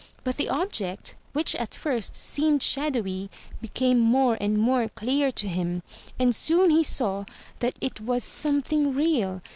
But the object, which at first seemed shadowy, became more and more clear to him; and soon he saw that it was something real.